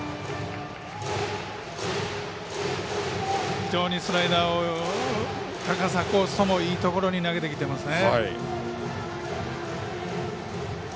非常にスライダー高さ、コースともにいいところに投げてきてますね。